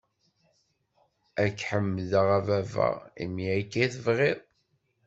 Ad k-ḥemdeɣ a Baba, imi akka i tebɣiḍ!